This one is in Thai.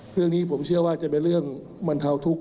เรื่องนี้ผมเชื่อว่าจะเป็นเรื่องบรรเทาทุกข